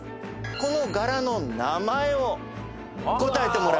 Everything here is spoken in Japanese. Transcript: この柄の名前を答えてもらいます。